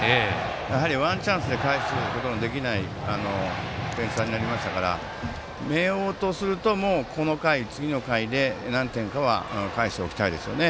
やはりワンチャンスで返すことのできない点差になりましたから明桜とするともうこの回、次の回で何点かは返しておきたいですね。